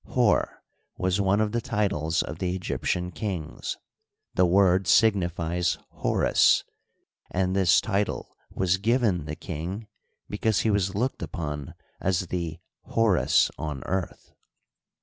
Hor was one of the titles of the Eg)'ptian kings. The word signifies Horus, and this title was given the king because he was looked upon as the " Horus on Earth."